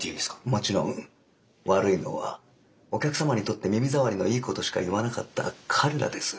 もちろん悪いのはお客様にとって耳障りのいいことしか言わなかった彼らです。